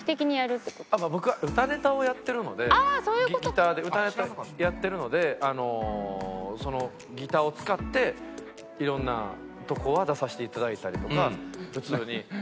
ギターで歌ネタやってるのでそのギターを使っていろんなとこは出させていただいたりとか普通に。